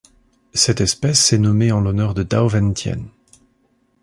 Cette espèce est nommée en l'honneur de Dao Van Tien.